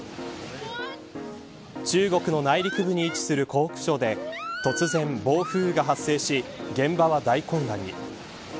中国の内陸部に位置する湖北省で突然暴風雨が発生し現場は大混乱に。